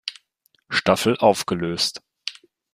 Staffel aufgelöst.